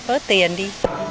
ơt tiền đi